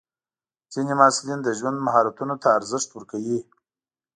ځینې محصلین د ژوند مهارتونو ته ارزښت ورکوي.